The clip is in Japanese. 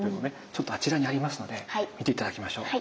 ちょっとあちらにありますので見て頂きましょう。